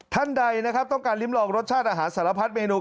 ท่านใดนะครับต้องการริมลองรสชาติอาหารสารพัดเมนู